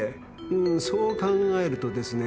んーそう考えるとですね